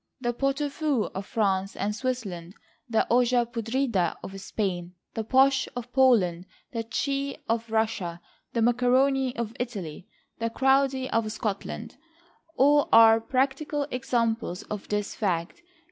The pot au feu of France and Switzerland, the olla podrida of Spain, the borsch of Poland, the tschi of Russia, the macaroni of Italy, the crowdie of Scotland, all are practical examples of this fact.